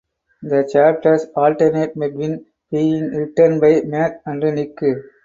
The chapters alternate between being written by Matt and Nick.